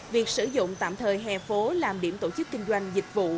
việc sử dụng tạm thời hè phố làm điểm tổ chức kinh doanh dịch vụ